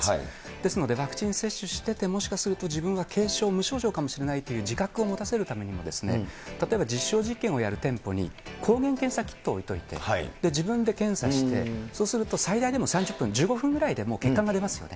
ですので、ワクチン接種してて、もしかすると、自分は軽症、無症状かもしれない自覚を持たせるためにも、例えば実証実験をやる店舗に抗原検査キットを置いといて、自分で検査して、そうすると、最大でも３０分、１５分ぐらいでもう結果が出ますよね。